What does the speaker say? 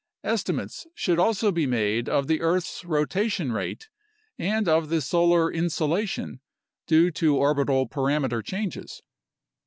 Estimates should also be made of the earth's rotation rate and of the solar insolation (due to orbital parameter changes).